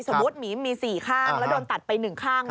สมมุติหมีมีสี่ข้างแล้วโดนตัดไปหนึ่งข้าง